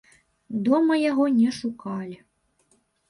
Дома яго не шукалі.